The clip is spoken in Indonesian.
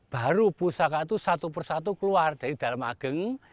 baru pusaka itu satu persatu keluar dari dalam ageng